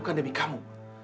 bukan demi kamu